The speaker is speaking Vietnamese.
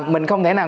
mình không thể nào